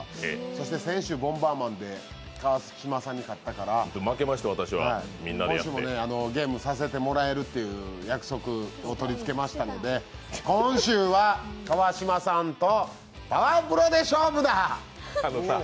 そして先週、「ボンバーマン」で川島さんに勝ちましたから、今週もゲームさせてもらえるっていう約束を取り付けましたので今週は川島さんと「パワプロ」で勝負だ！